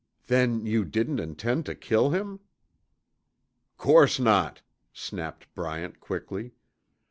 "Then you didn't intend to kill him?" "Course not," snapped Bryant quickly.